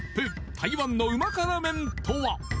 台湾のうま辛麺とは？